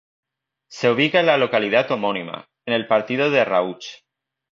Se ubica en la localidad homónima, en el Partido de Rauch.